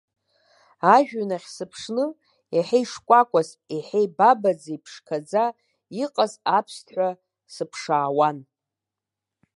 Ажәҩан ахь сыԥшны, еиҳа ишкәакәаз, еиҳа ибабаӡа, иԥшқаӡа иҟаз аԥсҭҳәа сыԥшаауан.